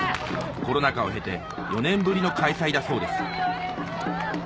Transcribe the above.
コロナ禍を経て４年ぶりの開催だそうです